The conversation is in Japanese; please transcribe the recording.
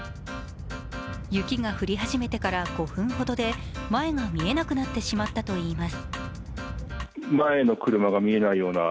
雪が降り始めてから５分ほどで前が見えなくなってしまったといいます。